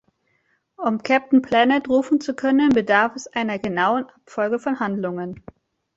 Um Captain Planet rufen zu können, bedarf es einer genauen Abfolge von Handlungen.